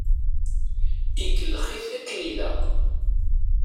Ikellex-it akken i ilaq.